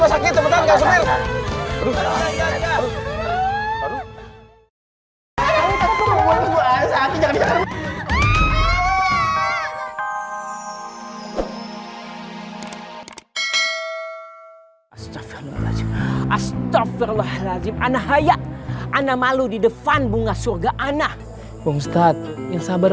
astaghfirullahaladzim anak raya anak malu di depan bunga surga anak bungstadz yang sabar